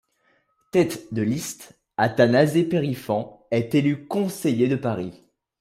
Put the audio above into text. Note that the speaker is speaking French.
Tête de liste, Atanase Périfan est élu conseiller de Paris.